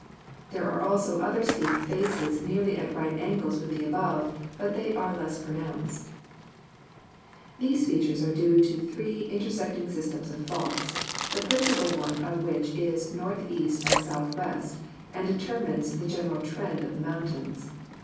There are also other steep faces nearly at right angles with the above, but they are less pronounced." These features are due to three intersecting systems of faults, the principal one of which is northeast and southwest and determines the gen eral trend of the mountains.